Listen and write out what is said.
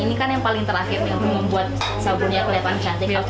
ini kan yang paling terakhir yang membuat sabunnya kelihatan cantik